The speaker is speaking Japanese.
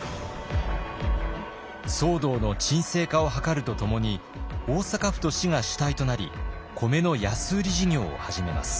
騒動の鎮静化を図るとともに大阪府と市が主体となり米の安売り事業を始めます。